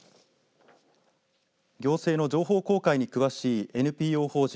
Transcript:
行政の情報公開に詳しいＮＰＯ法人